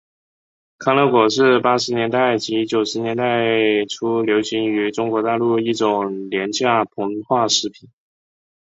康乐果是八十年代及九十年代初流行于中国大陆一种廉价膨化食品。